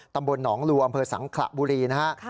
ตำบลหนองลูอำเภอสังขระบุรีนะฮะ